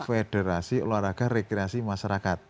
federasi olahraga rekreasi masyarakat